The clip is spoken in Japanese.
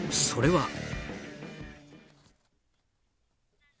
それは。